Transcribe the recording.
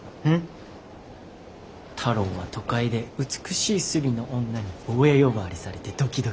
太郎は都会で美しいスリの女に坊や呼ばわりされてドキドキしてるって。